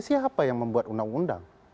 siapa yang membuat undang undang